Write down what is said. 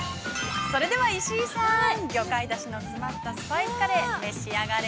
◆石井さん、魚介出汁の詰まったスパイスカレー、召し上がれ。